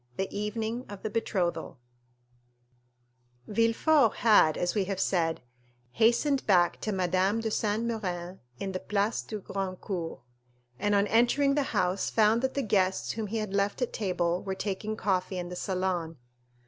The Evening of the Betrothal Villefort had, as we have said, hastened back to Madame de Saint Méran's in the Place du Grand Cours, and on entering the house found that the guests whom he had left at table were taking coffee in the salon.